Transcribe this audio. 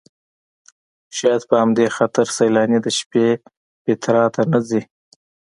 شاید په همدې خاطر سیلاني د شپې پیترا ته نه ځي.